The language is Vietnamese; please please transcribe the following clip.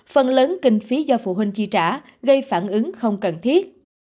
phần lớn kinh phí do phụ huynh chi trả gây phản ứng không cần thiết